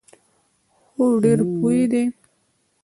هو، ډیر پوه دي